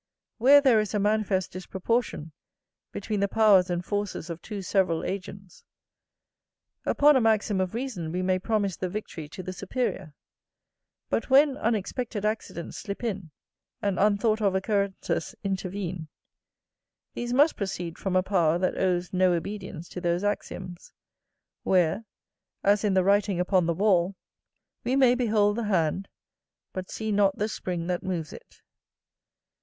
Where there is a manifest disproportion between the powers and forces of two several agents, upon a maxim of reason we may promise the victory to the superior: but when unexpected accidents slip in, and unthought of occurrences intervene, these must proceed from a power that owes no obedience to those axioms; where, as in the writing upon the wall, we may behold the hand, but see not the spring that moves it.